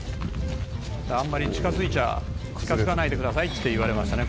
「あんまり近づいちゃ近づかないでくださいって言われましたね